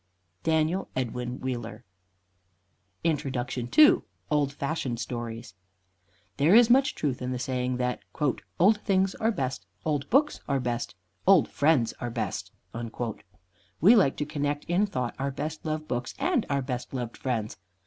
DANIEL EDWIN WHEELER. II OLD FASHIONED STORIES There is much truth in the saying that "old things are best, old books are best, old friends are best." We like to connect in thought our best loved books and our best loved friends.